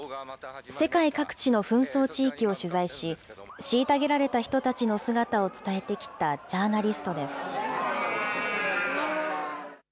世界各地の紛争地域を取材し、虐げられた人たちの姿を伝えてきたジャーナリストです。